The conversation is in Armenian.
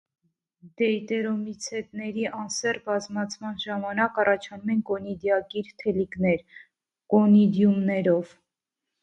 Դեյտերոմիցետների անսեռ բազմացման ժամանակ առաջանում են կոնիդիակիր թելիկներ՝ կոնիդիումներով։